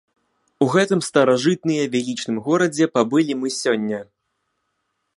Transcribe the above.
У гэтым старажытныя велічным горадзе пабылі мы сёння.